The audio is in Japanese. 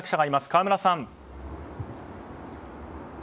河村さん。